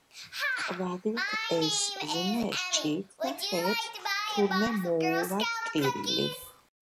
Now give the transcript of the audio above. ყვავილთ ეს ზნე სჭირთ და ხეებს თურმე მოუვათ ტირილი